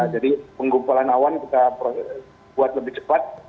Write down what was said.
jadi penggumpalan awan kita buat lebih cepat